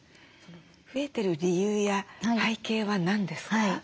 増えてる理由や背景は何ですか？